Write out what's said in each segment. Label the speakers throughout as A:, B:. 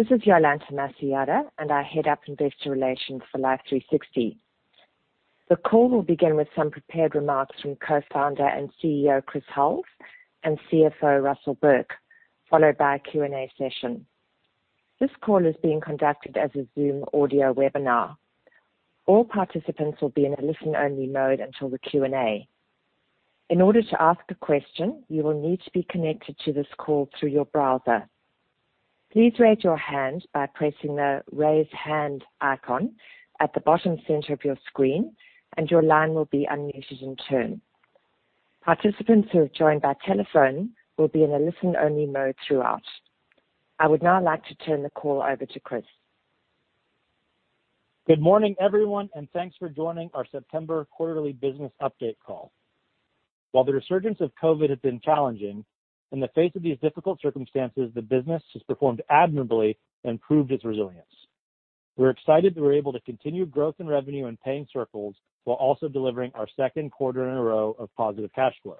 A: This is Jolanta Masojada, and I head up investor relations for Life360. The call will begin with some prepared remarks from Co-Founder and CEO, Chris Hulls, and CFO, Russell Burke, followed by a Q&A session. This call is being conducted as a Zoom audio webinar. All participants will be in a listen-only mode until the Q&A. In order to ask a question, you will need to be connected to this call through your browser. Please raise your hand by pressing the Raise Hand icon at the bottom center of your screen, and your line will be unmuted in turn. Participants who have joined by telephone will be in a listen-only mode throughout. I would now like to turn the call over to Chris.
B: Good morning, everyone, and thanks for joining our September quarterly business update call. While the resurgence of COVID-19 has been challenging, in the face of these difficult circumstances, the business has performed admirably and proved its resilience. We're excited that we're able to continue growth in revenue and paying circles while also delivering our second quarter in a row of positive cash flow.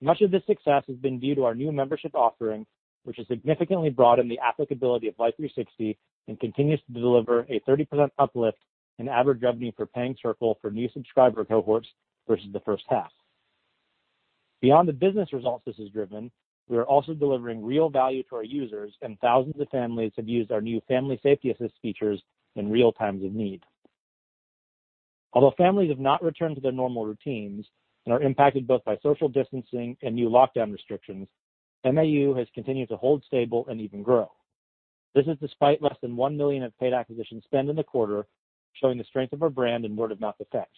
B: Much of this success has been due to our new membership offering, which has significantly broadened the applicability of Life360 and continues to deliver a 30% uplift in average revenue per paying circle for new subscriber cohorts versus the first half. Beyond the business results this has driven, we are also delivering real value to our users, and thousands of families have used our new family safety assist features in real times of need. Although families have not returned to their normal routines and are impacted both by social distancing and new lockdown restrictions, MAU has continued to hold stable and even grow. This is despite less than $1 million of paid acquisition spend in the quarter, showing the strength of our brand and word of mouth effect.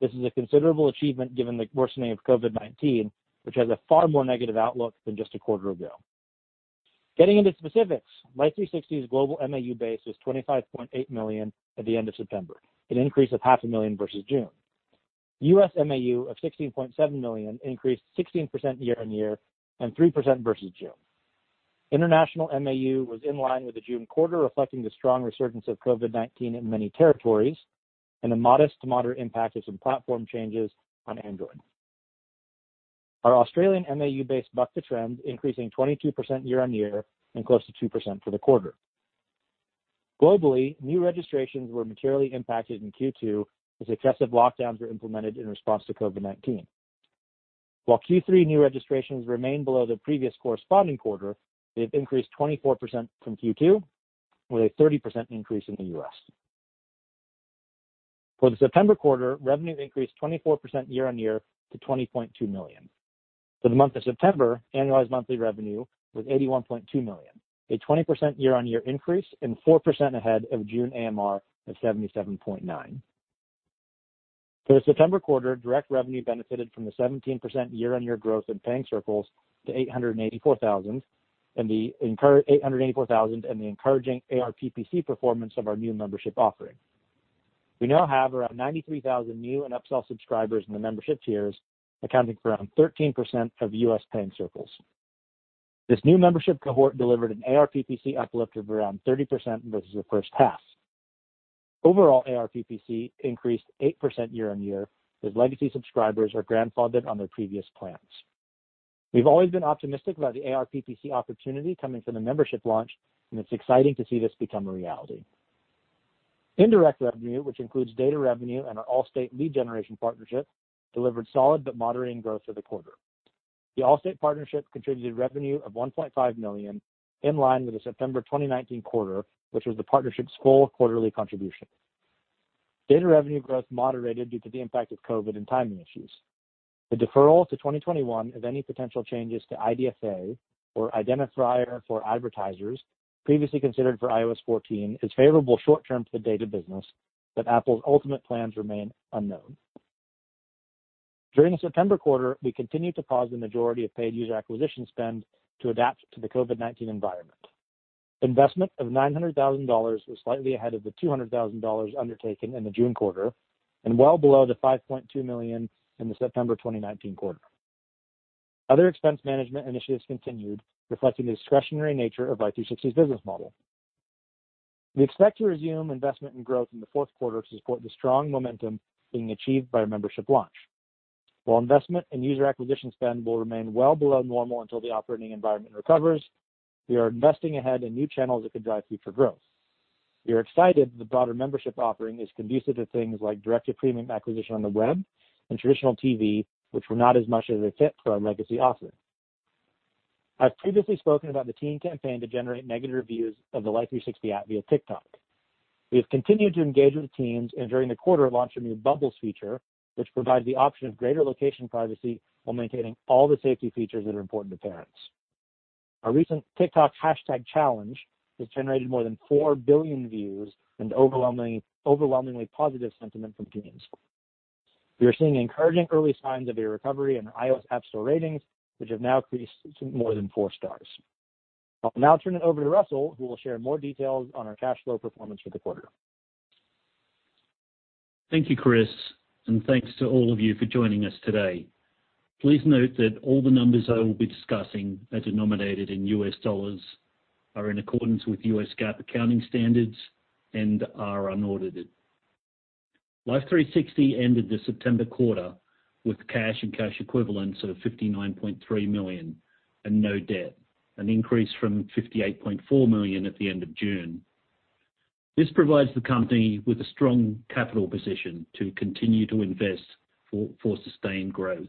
B: This is a considerable achievement given the worsening of COVID-19, which has a far more negative outlook than just a quarter ago. Getting into specifics, Life360's global MAU base was 25.8 million at the end of September, an increase of 500,000 versus June. U.S. MAU of 16.7 million increased 16% year-on-year and 3% versus June. International MAU was in line with the June quarter, reflecting the strong resurgence of COVID-19 in many territories and a modest to moderate impact of some platform changes on Android. Our Australian MAU base bucked the trend, increasing 22% year-on-year and close to 2% for the quarter. Globally, new registrations were materially impacted in Q2 as excessive lockdowns were implemented in response to COVID-19. While Q3 new registrations remain below the previous corresponding quarter, they have increased 24% from Q2 with a 30% increase in the U.S. For the September quarter, revenue increased 24% year-on-year to $20.2 million. For the month of September, annualized monthly revenue was $81.2 million, a 20% year-on-year increase and 4% ahead of June AMR of $77.9 million. For the September quarter, direct revenue benefited from the 17% year-on-year growth in paying circles to 884,000 and the encouraging ARPPC performance of our new membership offering. We now have around 93,000 new and upsell subscribers in the membership tiers, accounting for around 13% of U.S. paying circles. This new membership cohort delivered an ARPPC uplift of around 30% versus the first half. Overall ARPPC increased 8% year-on-year, as legacy subscribers are grandfathered on their previous plans. We've always been optimistic about the ARPPC opportunity coming from the membership launch, and it's exciting to see this become a reality. Indirect revenue, which includes data revenue and our Allstate lead generation partnership, delivered solid but moderating growth for the quarter. The Allstate partnership contributed revenue of $1.5 million, in line with the September 2019 quarter, which was the partnership's full quarterly contribution. Data revenue growth moderated due to the impact of COVID-19 and timing issues. The deferral to 2021 of any potential changes to IDFA or Identifier for Advertisers previously considered for iOS 14 is favorable short-term to the data business, but Apple's ultimate plans remain unknown. During the September quarter, we continued to pause the majority of paid user acquisition spend to adapt to the COVID-19 environment. Investment of $900,000 was slightly ahead of the $200,000 undertaken in the June quarter and well below the $5.2 million in the September 2019 quarter. Other expense management initiatives continued, reflecting the discretionary nature of Life360's business model. We expect to resume investment in growth in the fourth quarter to support the strong momentum being achieved by our membership launch. While investment and user acquisition spend will remain well below normal until the operating environment recovers, we are investing ahead in new channels that could drive future growth. We are excited that the broader membership offering is conducive to things like direct-to-premium acquisition on the web and traditional TV, which were not as much as a fit for our legacy offering. I've previously spoken about the teen campaign to generate negative reviews of the Life360 app via TikTok. We have continued to engage with teens, and during the quarter, launched a new Bubbles feature, which provides the option of greater location privacy while maintaining all the safety features that are important to parents. Our recent TikTok hashtag challenge has generated more than 4 billion views and overwhelmingly positive sentiment from teens. We are seeing encouraging early signs of a recovery in our iOS App Store ratings, which have now increased to more than four stars. I'll now turn it over to Russell, who will share more details on his cash flow performance for the quarter.
C: Thank you, Chris, and thanks to all of you for joining us today. Please note that all the numbers I will be discussing are denominated in U.S. dollars, are in accordance with U.S. GAAP accounting standards, and are unaudited. Life360 ended the September quarter with cash and cash equivalents of $59.3 million and no debt, an increase from $58.4 million at the end of June. This provides the company with a strong capital position to continue to invest for sustained growth.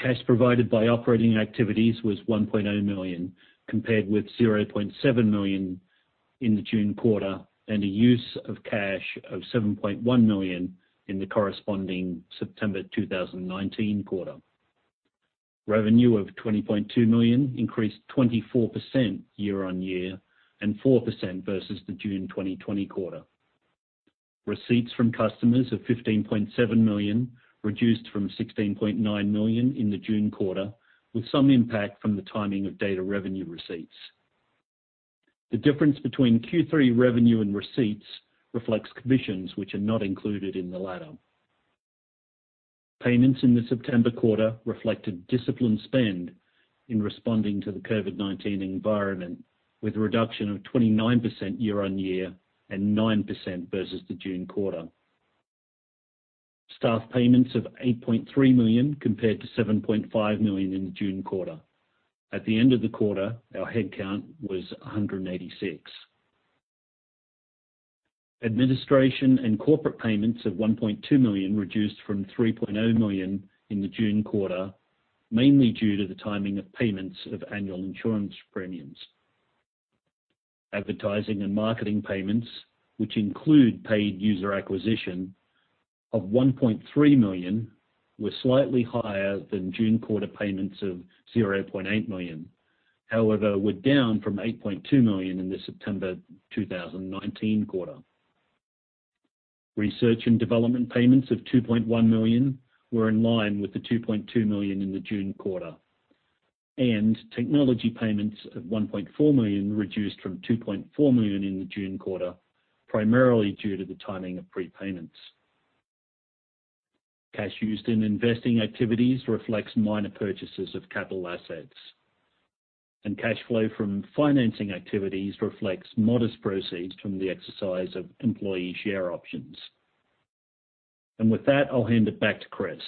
C: Cash provided by operating activities was $1.0 million, compared with $0.7 million in the June quarter, and a use of cash of $7.1 million in the corresponding September 2019 quarter. Revenue of $20.2 million increased 24% year-on-year and 4% versus the June 2020 quarter. Receipts from customers of $15.7 million reduced from $16.9 million in the June quarter, with some impact from the timing of data revenue receipts. The difference between Q3 revenue and receipts reflects commissions which are not included in the latter. Payments in the September quarter reflected disciplined spend in responding to the COVID-19 environment, with a reduction of 29% year-on-year and 9% versus the June quarter. Staff payments of $8.3 million compared to $7.5 million in the June quarter. At the end of the quarter, our head count was 186. Administration and corporate payments of $1.2 million reduced from $3.0 million in the June quarter, mainly due to the timing of payments of annual insurance premiums. Advertising and marketing payments, which include paid user acquisition of $1.3 million, were slightly higher than June quarter payments of $0.8 million. However, we're down from $8.2 million in the September 2019 quarter. Research and development payments of $2.1 million were in line with the $2.2 million in the June quarter. Technology payments of $1.4 million reduced from $2.4 million in the June quarter, primarily due to the timing of prepayments. Cash used in investing activities reflects minor purchases of capital assets. Cash flow from financing activities reflects modest proceeds from the exercise of employee share options. With that, I'll hand it back to Chris.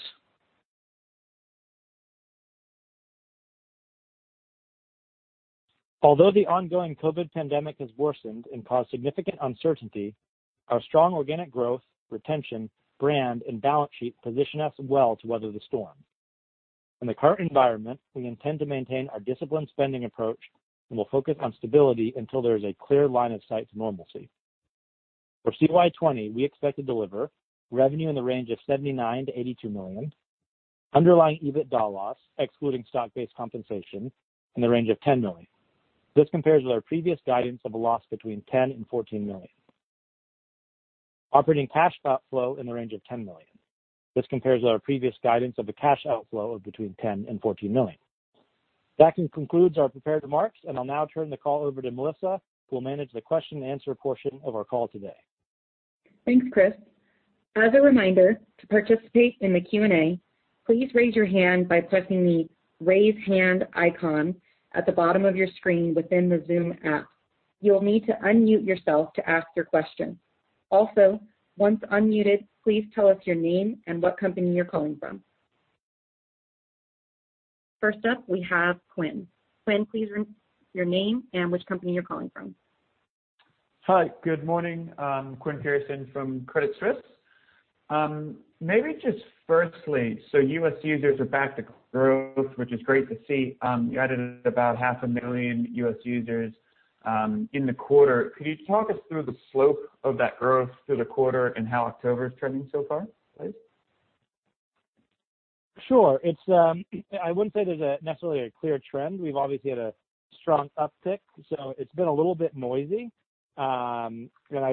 B: Although the ongoing COVID-19 pandemic has worsened and caused significant uncertainty, our strong organic growth, retention, brand, and balance sheet position us well to weather the storm. In the current environment, we intend to maintain our disciplined spending approach and will focus on stability until there is a clear line of sight to normalcy. For CY 2020, we expect to deliver revenue in the range of $79 million-$82 million, underlying EBITDA loss, excluding stock-based compensation, in the range of $10 million. This compares with our previous guidance of a loss between $10 million and $14 million. Operating cash flow in the range of $10 million. This compares to our previous guidance of a cash outflow of between $10 million and $14 million. That concludes our prepared remarks, and I'll now turn the call over to Melissa, who will manage the question and answer portion of our call today.
D: Thanks, Chris. As a reminder, to participate in the Q&A, please raise your hand by pressing the Raise Hand icon at the bottom of your screen within the Zoom app. You will need to unmute yourself to ask your question. Also, once unmuted, please tell us your name and what company you're calling from. First up, we have Quinn. Quinn, please state your name and which company you're calling from.
E: Hi, good morning. Quinn Pierson from Credit Suisse. Maybe just firstly, U.S. users are back to growth, which is great to see. You added about 500,000 U.S. users in the quarter. Could you talk us through the slope of that growth through the quarter and how October is trending so far, please?
B: Sure. I wouldn't say there's necessarily a clear trend. We've obviously had a strong uptick, so it's been a little bit noisy. I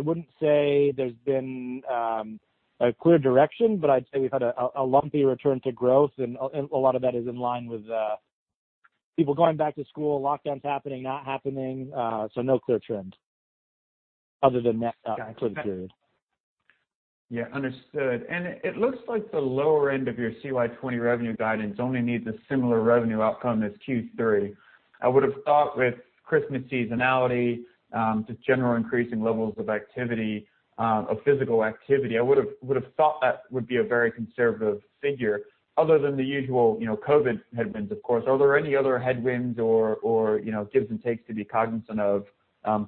B: wouldn't say there's been a clear direction, but I'd say we've had a lumpy return to growth and a lot of that is in line with people going back to school, lockdowns happening, not happening. No clear trend other than that clear period.
E: Yeah, understood. It looks like the lower end of your CY 2020 revenue guidance only needs a similar revenue outcome as Q3. I would've thought with Christmas seasonality, just general increasing levels of activity, of physical activity, I would've thought that would be a very conservative figure. Other than the usual COVID headwinds, of course. Are there any other headwinds or gives and takes to be cognizant of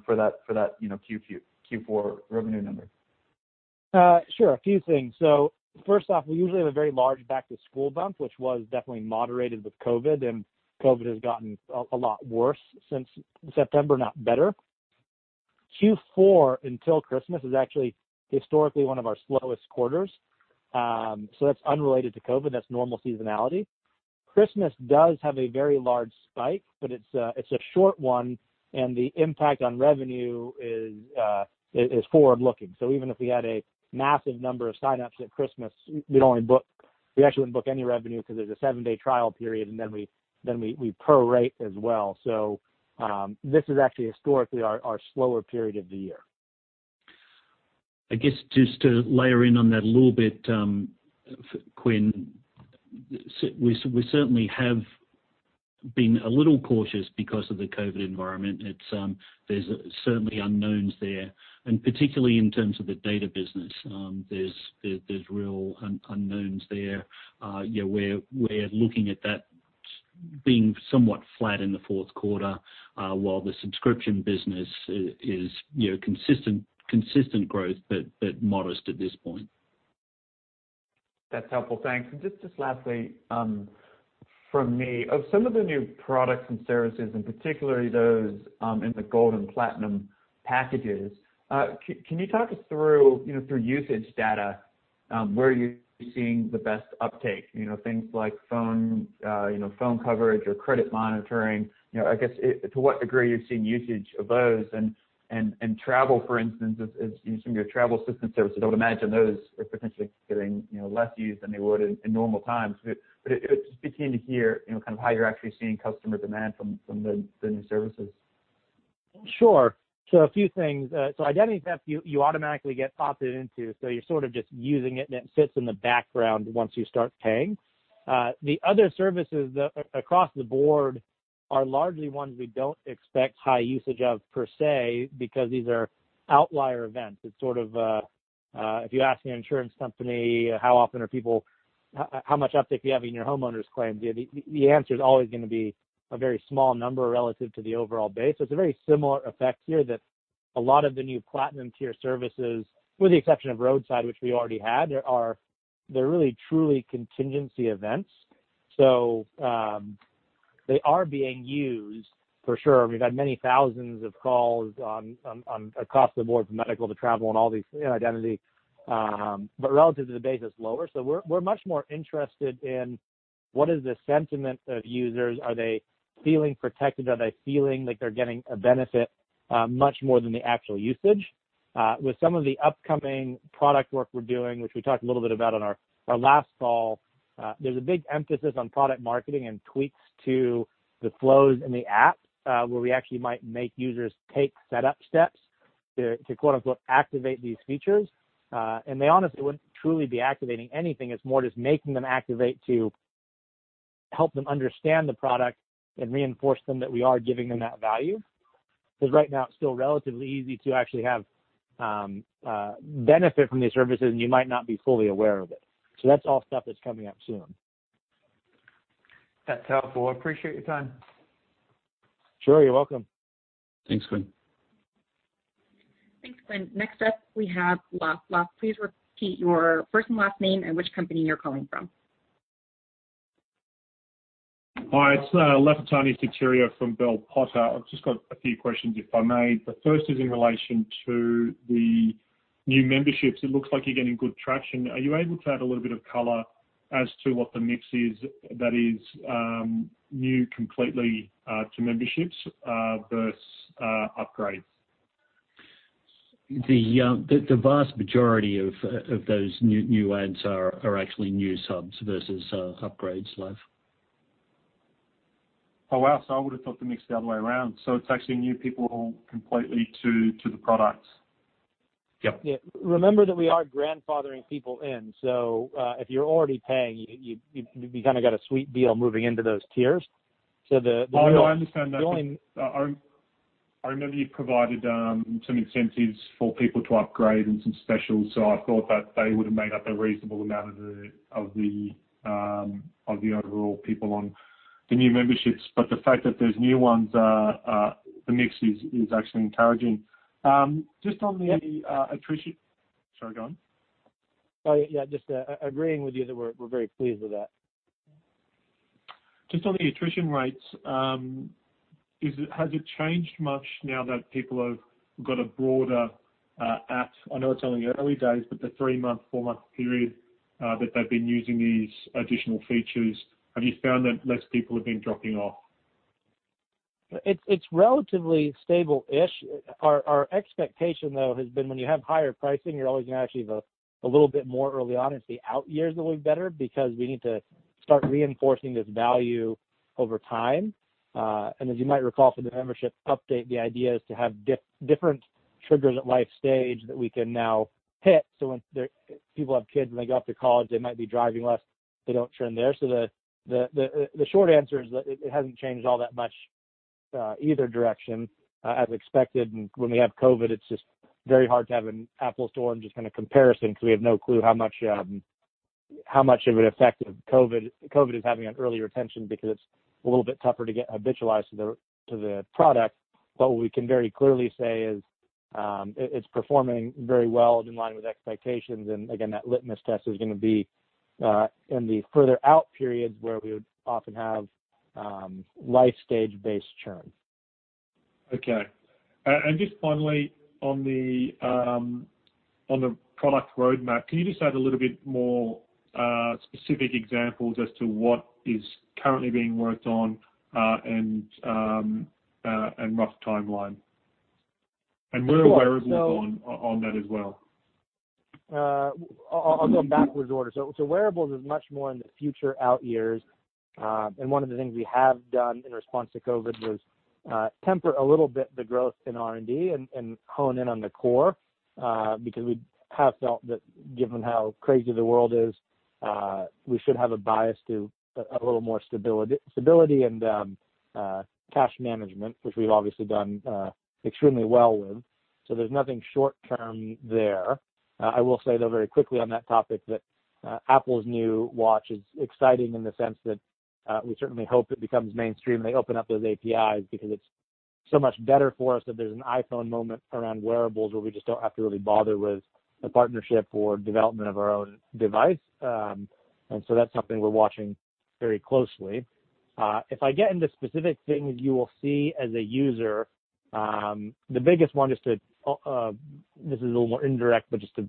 E: for that Q4 revenue number?
B: Sure. A few things. First off, we usually have a very large back-to-school bump, which was definitely moderated with COVID, and COVID has gotten a lot worse since September, not better. Q4 until Christmas is actually historically one of our slowest quarters. That's unrelated to COVID. That's normal seasonality. Christmas does have a very large spike, but it's a short one and the impact on revenue is forward-looking. Even if we had a massive number of sign-ups at Christmas, we actually wouldn't book any revenue because there's a seven-day trial period and then we pro-rate as well. This is actually historically our slower period of the year.
C: I guess just to layer in on that a little bit, Quinn. We certainly have been a little cautious because of the COVID-19 environment. There's certainly unknowns there, and particularly in terms of the data business. There's real unknowns there. We're looking at that being somewhat flat in the fourth quarter, while the subscription business is consistent growth, but modest at this point.
E: That's helpful. Thanks. Just lastly from me, of some of the new products and services, and particularly those in the Gold and Platinum packages, can you talk us through usage data? Where are you seeing the best uptake? Things like phone coverage or credit monitoring. I guess, to what degree are you seeing usage of those and travel, for instance, using your travel assistant services. I would imagine those are potentially getting less used than they would in normal times. It would just be keen to hear, how you're actually seeing customer demand from the new services.
B: Sure. A few things. Identity Theft, you automatically get opted into, so you're sort of just using it, and it sits in the background once you start paying. The other services across the board are largely ones we don't expect high usage of per se, because these are outlier events. It's sort of, if you ask an insurance company how much uptake you have in your homeowners claim, the answer's always going to be a very small number relative to the overall base. It's a very similar effect here that a lot of the new Platinum tier services, with the exception of Roadside, which we already had, they're really truly contingency events. They are being used for sure. We've had many thousands of calls across the board from medical to travel and all these identity. Relative to the base, it's lower. We're much more interested in what is the sentiment of users. Are they feeling protected? Are they feeling like they're getting a benefit much more than the actual usage? With some of the upcoming product work we're doing, which we talked a little bit about on our last call, there's a big emphasis on product marketing and tweaks to the flows in the app, where we actually might make users take setup steps to "activate" these features. They honestly wouldn't truly be activating anything. It's more just making them activate to help them understand the product and reinforce them that we are giving them that value. Right now it's still relatively easy to actually have benefit from these services, and you might not be fully aware of it. That's all stuff that's coming up soon.
E: That's helpful. I appreciate your time.
B: Sure. You're welcome.
C: Thanks, Quinn.
D: Thanks, Quinn. Next up we have Laf. Laf, please repeat your first and last name and which company you're calling from.
F: Hi, it's Lafitani Sotiriou from Bell Potter. I've just got a few questions, if I may. The first is in relation to the new memberships. It looks like you're getting good traction. Are you able to add a little bit of color as to what the mix is that is new completely to memberships versus upgrades?
C: The vast majority of those new adds are actually new subs versus upgrades, Laf.
F: Oh, wow. I would've thought the mix the other way around. It's actually new people completely to the products.
C: Yep.
B: Yeah. Remember that we are grandfathering people in, so if you're already paying, you kind of got a sweet deal moving into those tiers.
F: Oh, no, I understand that. I remember you provided some incentives for people to upgrade and some specials. I thought that they would have made up a reasonable amount of the overall people on the new memberships. The fact that there's new ones, the mix is actually encouraging. Just on the attrit-- Sorry, go on.
B: Oh, yeah. Just agreeing with you that we're very pleased with that.
F: Just on the attrition rates, has it changed much now that people have got a broader app? I know it is only early days, but the three-month, four-month period that they have been using these additional features, have you found that less people have been dropping off?
B: It's relatively stable-ish. Our expectation, though, has been when you have higher pricing, you're always going to activate a little bit more early on. It's the out years that look better because we need to start reinforcing this value over time. As you might recall from the membership update, the idea is to have different triggers at life stage that we can now hit. When people have kids, when they go off to college, they might be driving less, they don't churn there. The short answer is that it hasn't changed all that much, either direction, as expected. When we have COVID, it's just very hard to have an apples to oranges kind of comparison because we have no clue how much of an effect COVID is having on early retention because it's a little bit tougher to get habitualized to the product. What we can very clearly say is, it's performing very well and in line with expectations. Again, that litmus test is going to be in the further out periods where we would often have life stage-based churn.
F: Okay. Just finally, on the product roadmap, can you just add a little bit more specific examples as to what is currently being worked on and rough timeline?
B: Sure.
F: Where are wearables on that as well?
B: I'll go in backwards order. Wearables is much more in the future out years. One of the things we have done in response to COVID was temper a little bit the growth in R&D and hone in on the core, because we have felt that given how crazy the world is, we should have a bias to a little more stability and cash management, which we've obviously done extremely well with. There's nothing short-term there. I will say, though, very quickly on that topic, that Apple's new Watch is exciting in the sense that we certainly hope it becomes mainstream. They open up those APIs because it's so much better for us if there's an iPhone moment around wearables where we just don't have to really bother with a partnership for development of our own device. That's something we're watching very closely. If I get into specific things you will see as a user, the biggest one, this is a little more indirect, but just to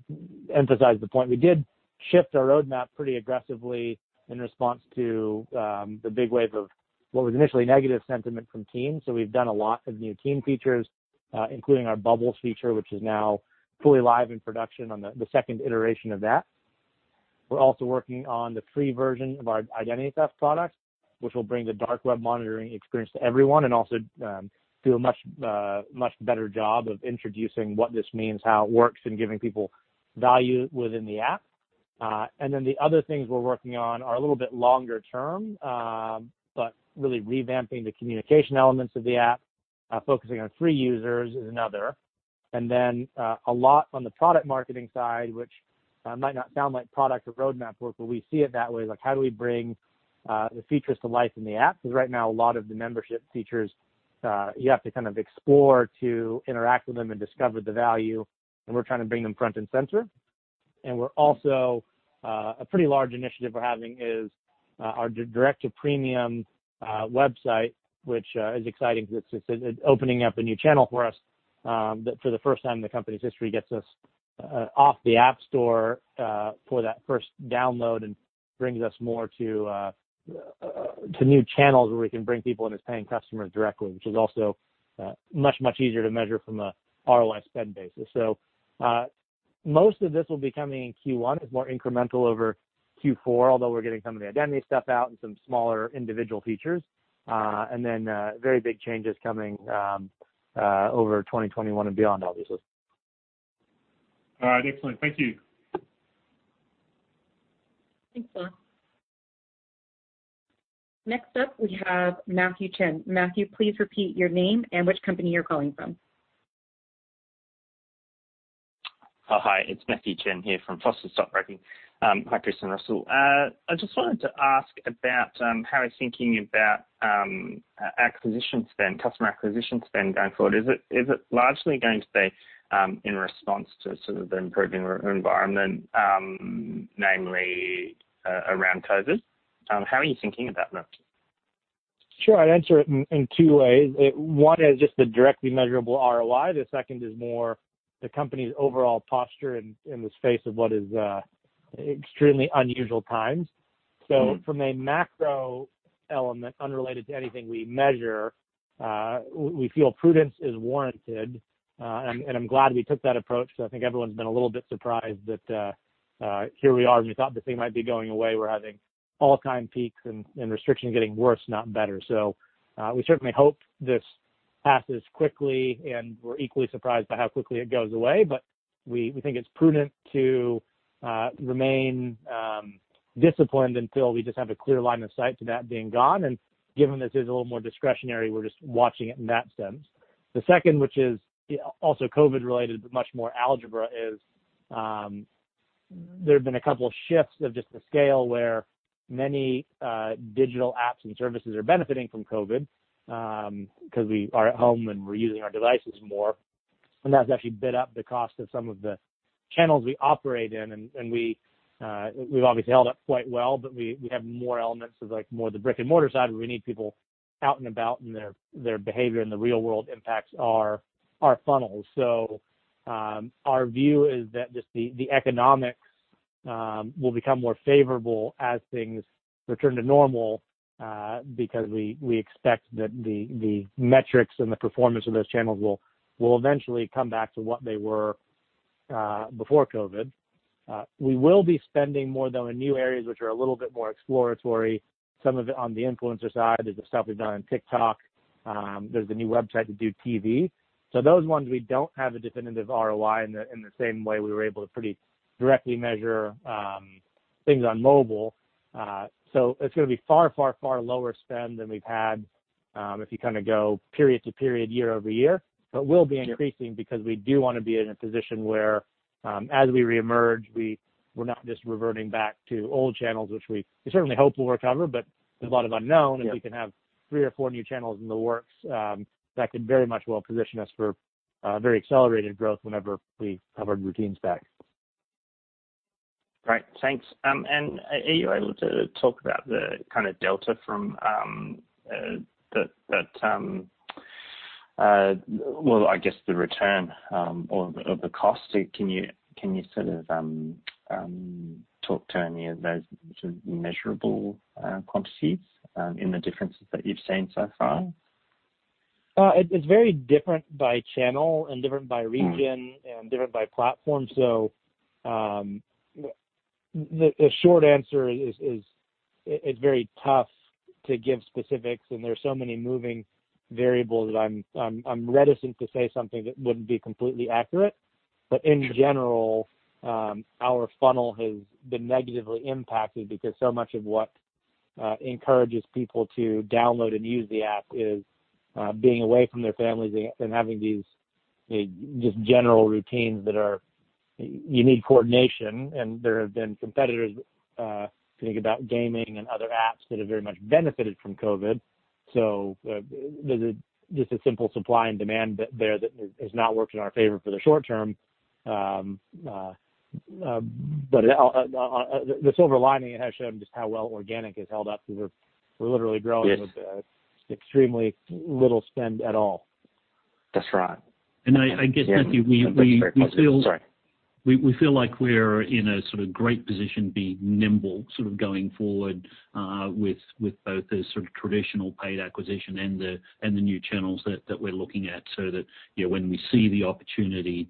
B: emphasize the point, we did shift our roadmap pretty aggressively in response to the big wave of what was initially negative sentiment from teens. We've done a lot of new teen features, including our Bubbles feature, which is now fully live in production on the second iteration of that. We're also working on the free version of our Identity Theft product, which will bring the dark web monitoring experience to everyone and also do a much better job of introducing what this means, how it works, and giving people value within the app. The other things we're working on are a little bit longer term, but really revamping the communication elements of the app, focusing on free users is another. A lot on the product marketing side, which might not sound like product or roadmap work, but we see it that way. How do we bring the features to life in the app? Right now, a lot of the membership features, you have to kind of explore to interact with them and discover the value, and we're trying to bring them front and center. A pretty large initiative we're having is our direct to premium website, which is exciting because it's opening up a new channel for us, that for the first time in the company's history gets us off the App Store for that first download and brings us more to new channels where we can bring people in as paying customers directly, which is also much, much easier to measure from a ROI spend basis. Most of this will be coming in Q1. It's more incremental over Q4, although we're getting some of the identity stuff out and some smaller individual features. Very big changes coming over 2021 and beyond, obviously.
F: All right. Excellent. Thank you.
D: Thanks, Laf. Next up we have Matthew Chen. Matthew, please repeat your name and which company you're calling from.
G: Hi, it's Matthew Chen here from Foster Stockbroking. Hi, Chris and Russell. I just wanted to ask about how we're thinking about customer acquisition spend going forward. Is it largely going to be in response to sort of the improving environment, namely around COVID? How are you thinking about that?
B: Sure. I'd answer it in two ways. One is just the directly measurable ROI. The second is more the company's overall posture in this face of what is extremely unusual times. From a macro element, unrelated to anything we measure, we feel prudence is warranted. I'm glad we took that approach because I think everyone's been a little bit surprised that here we are, and we thought this thing might be going away. We're having all-time peaks and restrictions getting worse, not better. We certainly hope this passes quickly, and we're equally surprised by how quickly it goes away. We think it's prudent to remain disciplined until we just have a clear line of sight to that being gone. Given this is a little more discretionary, we're just watching it in that sense. The second, which is also COVID related, but much more algebra, is there have been a couple of shifts of just the scale where many digital apps and services are benefiting from COVID, because we are at home and we're using our devices more. That's actually bid up the cost of some of the channels we operate in, and we've obviously held up quite well, but we have more elements of more the brick-and-mortar side where we need people out and about, and their behavior in the real world impacts our funnels. Our view is that just the economics will become more favorable as things return to normal, because we expect that the metrics and the performance of those channels will eventually come back to what they were before COVID. We will be spending more, though, in new areas, which are a little bit more exploratory. Some of it on the influencer side. There's the stuff we've done on TikTok. There's the new website to do TV. Those ones, we don't have a definitive ROI in the same way we were able to pretty directly measure things on mobile. It's gonna be far, far, far lower spend than we've had, if you go period-to-period, year-over-year. We'll be increasing because we do want to be in a position where, as we reemerge, we're not just reverting back to old channels, which we certainly hope will recover, but there's a lot of unknown.
G: Yeah.
B: If we can have three or four new channels in the works, that could very much well position us for very accelerated growth whenever we have our routines back.
G: Great. Thanks. Are you able to talk about the kind of delta from, well, I guess the return of the cost. Can you sort of talk to any of those measurable quantities in the differences that you've seen so far?
B: It's very different by channel and different by region and different by platform. The short answer is it's very tough to give specifics, and there are so many moving variables that I'm reticent to say something that wouldn't be completely accurate. In general, our funnel has been negatively impacted because so much of what encourages people to download and use the app is being away from their families and having these just general routines that you need coordination. There have been competitors, if you think about gaming and other apps, that have very much benefited from COVID. There's just a simple supply and demand there that has not worked in our favor for the short term. The silver lining, it has shown just how well organic has held up. We're literally growing.
G: Yes
B: with extremely little spend at all.
G: That's right.
C: I guess, Matthew, we.
G: Sorry.
C: We feel like we're in a sort of great position being nimble, sort of going forward with both the sort of traditional paid acquisition and the new channels that we're looking at so that when we see the opportunity,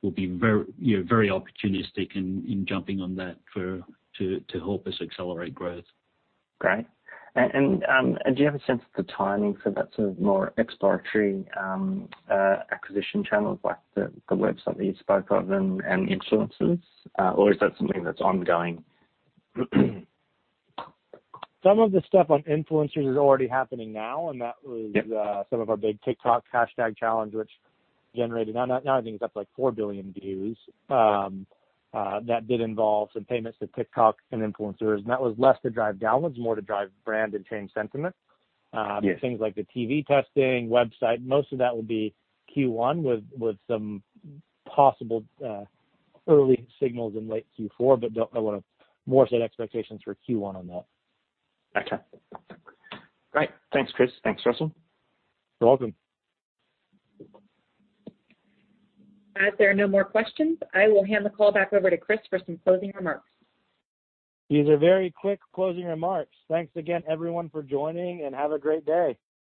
C: we'll be very opportunistic in jumping on that to help us accelerate growth.
G: Great. Do you have a sense of the timing for that sort of more exploratory acquisition channels, like the website that you spoke of and influencers? Is that something that's ongoing?
B: Some of the stuff on influencers is already happening now.
G: Yeah
B: Some of our big TikTok hashtag challenge, which generated, now I think it's up to like 4 billion views. That did involve some payments to TikTok and influencers, and that was less to drive downloads, more to drive brand and change sentiment.
G: Yeah.
B: Things like the TV testing, website, most of that will be Q1 with some possible early signals in late Q4, but I want to more set expectations for Q1 on that.
G: Okay. Great. Thanks, Chris. Thanks, Russell.
B: You're welcome.
D: As there are no more questions, I will hand the call back over to Chris for some closing remarks.
B: These are very quick closing remarks. Thanks again, everyone, for joining, and have a great day.